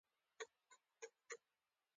سوله قیمتي شی دی خو یو ارزښت لرونکی لګښت دی.